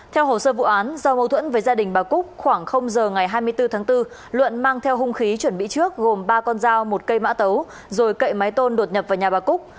theo hồ sơ vụ án do mâu thuẫn với gia đình bà cúc khoảng giờ ngày hai mươi bốn tháng bốn luận mang theo hung khí chuẩn bị trước gồm ba con dao một cây mã tấu rồi cậy máy tôn đột nhập vào nhà bà cúc